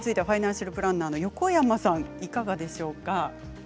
ファイナンシャルプランナーの横山さん、いかがでしょうか。